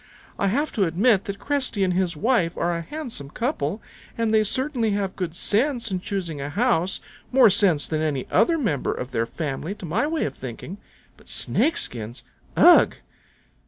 I have to admit that Cresty and his wife are a handsome couple, and they certainly have good sense in choosing a house, more sense than any other member of their family to my way of thinking. But Snake skins! Ugh!"